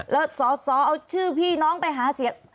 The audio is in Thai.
แล้วสอสอเอาชื่อพี่น้องไปหาเสียง